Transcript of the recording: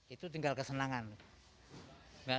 itu tinggal kesenangan